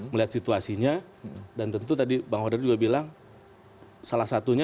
melihat situasinya dan tentu tadi bang hodar juga bilang salah satunya